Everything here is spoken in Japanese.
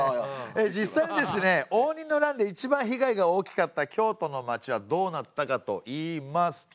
実際にですね応仁の乱でいちばん被害が大きかった京都の町はどうなったかといいますと。